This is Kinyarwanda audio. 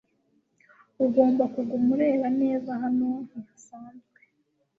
Ugomba kuguma ureba neza hano ntihasanzwe